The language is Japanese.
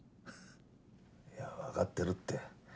いやわかってるって。